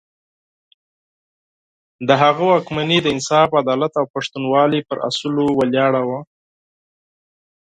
د هغه واکمني د انصاف، عدالت او پښتونولي پر اصولو ولاړه وه.